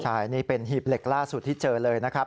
ใช่นี่เป็นหีบเหล็กล่าสุดที่เจอเลยนะครับ